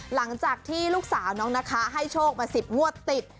หลังจากที่ลูกสาวน้องนะคะให้โชคมา๑๐งวดติด